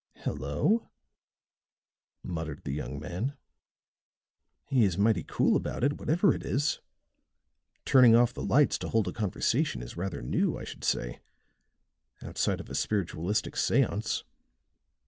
"Hello," muttered the young man, "he is mighty cool about it, whatever it is. Turning off the lights to hold a conversation is rather new, I should say, outside of a spiritualistic seance."